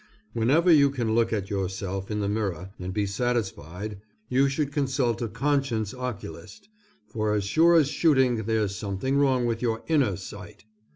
Whenever you can look at yourself in the mirror and be satisfied, you should consult a conscience oculist, for as sure as shooting there's something wrong with your inner sight.